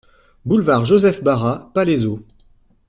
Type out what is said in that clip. Boulevard Joseph Bara, Palaiseau